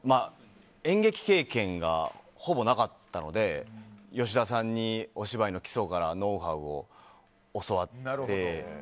演劇経験がほぼなかったので吉田さんにお芝居の基礎からノウハウを教わって。